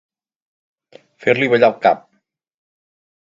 Fer-li ballar el cap.